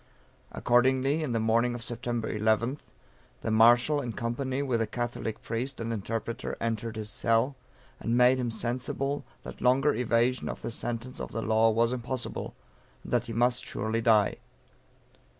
Accordingly, on the morning of Sept. 11th, the Marshal, in company with a Catholic priest and interpreter entered his cell, and made him sensible that longer evasion of the sentence of the law was impossible, and that he must surely die.